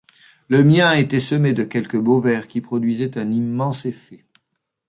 Le mien était semé de quelques beaux vers, qui produisaient un immense effet.